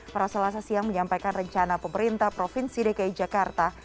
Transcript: pada selasa siang menyampaikan rencana pemerintah provinsi dki jakarta